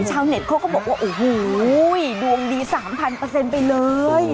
เน็ตเขาก็บอกว่าโอ้โหดวงดี๓๐๐ไปเลย